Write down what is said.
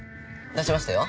出しましたよ。